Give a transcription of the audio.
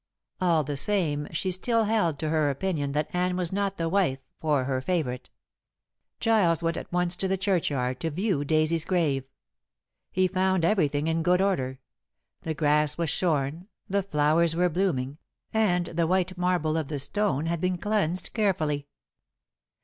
All the same, she still held to her opinion that Anne was not the wife for her favorite. Giles went at once to the churchyard to view Daisy's grave. He found everything in good order. The grass was shorn, the flowers were blooming, and the white marble of the stone had been cleansed carefully.